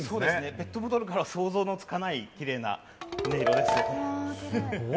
ペットボトルからは想像もつかない音色です。